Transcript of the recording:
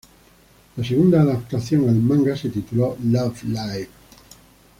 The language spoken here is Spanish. La segunda adaptación al manga se tituló "Love Live!